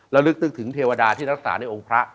แล้วลึกนึกถึงเทวดาที่รักษาในองค์พระ